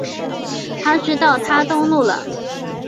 他知道她动怒了